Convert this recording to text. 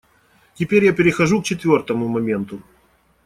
Теперь я перехожу к четвертому моменту.